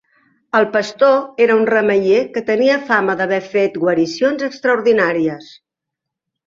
El pastor era un remeier que tenia fama d'haver fet guaricions extraordinàries.